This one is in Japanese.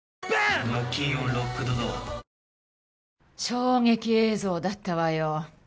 衝撃映像だったわよ。